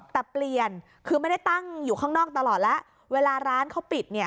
แต่เปลี่ยนคือไม่ได้ตั้งอยู่ข้างนอกตลอดแล้วเวลาร้านเขาปิดเนี่ย